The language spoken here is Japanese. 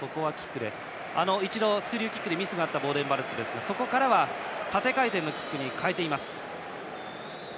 一度、スクリューキックでミスがあったボーデン・バレットですがそこからは縦回転のキックに変えています。